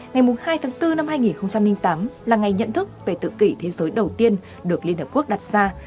ngày hai tháng bốn năm hai nghìn tám là ngày nhận thức về tự kỷ thế giới đầu tiên được liên hợp quốc đặt ra